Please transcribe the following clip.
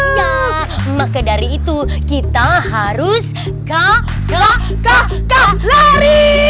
iya maka dari itu kita harus kak kak kak kak lari